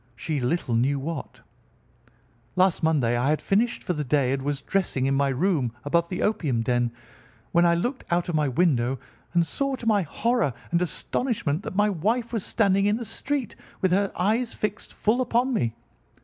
She little knew what. "Last Monday I had finished for the day and was dressing in my room above the opium den when I looked out of my window and saw, to my horror and astonishment, that my wife was standing in the street, with her eyes fixed full upon me.